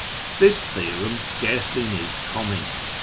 This theorem scarcely needs comment.